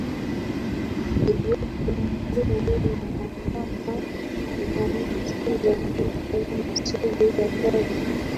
iliyoko mkoa wa Manyara Piramidi za Giza Misri ya Kale